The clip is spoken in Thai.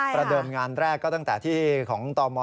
ประเดิมงานแรกก็ตั้งแต่ที่ของตม